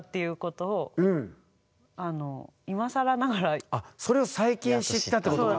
あんまあっそれを最近知ったってことか。